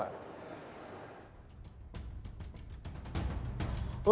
lagi lagi pelaku pencurian motor menodongkan senjata motor